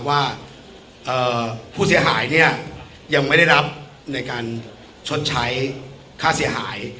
ว่าผู้เสียหายเนี่ยยังไม่ได้รับในการชดใช้ค่าเสียหาย